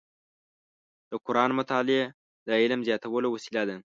د قرآن مطالع د علم زیاتولو وسیله ده.